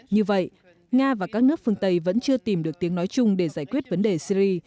như vậy nga và các nước phương tây vẫn chưa tìm được tiếng nói chung để giải quyết vấn đề syri